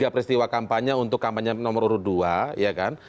tiga peristiwa kampanye untuk kampanye nomor urut dua ya kan